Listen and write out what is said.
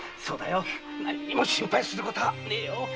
そうだよ何も心配することはねえよ！